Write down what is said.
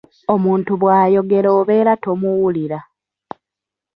Omuntu bw’ayogera obeera tomuwulira.